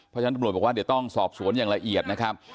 เพราะฉะนั้นตำรวจบอกว่าเดี๋ยวต้องสอบสวนอย่างละเอียดนะครับ